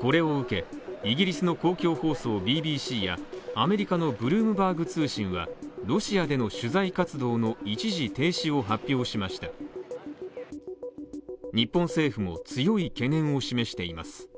これを受け、イギリスの公共放送ＢＢＣやアメリカのブルームバーグ通信はロシアでの取材活動の一時停止を発表しました日本政府も強い懸念を示しています。